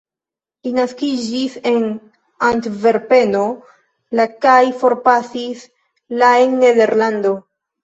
Li naskiĝis en Antverpeno la kaj forpasis la en Nederlando.